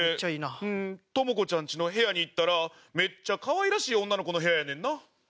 トモコちゃんちの部屋に行ったらめっちゃ可愛らしい女の子の部屋やねんな。